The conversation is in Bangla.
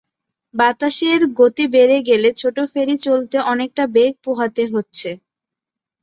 বাতাসের গতি বেড়ে গেলে ছোট ফেরি চলতে অনেকটা বেগ পোহাতে হচ্ছে।